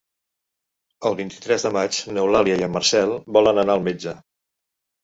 El vint-i-tres de maig n'Eulàlia i en Marcel volen anar al metge.